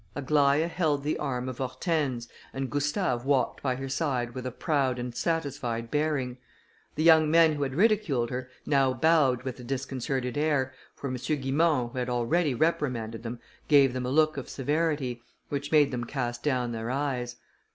Aglaïa held the arm of Hortense, and Gustave walked by her side with a proud and satisfied bearing. The young men who had ridiculed her, now bowed with a disconcerted air, for M. Guimont, who had already reprimanded them, gave them a look of severity, which made them cast down their eyes.